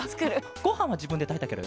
ごはんはじぶんでたいたケロよね？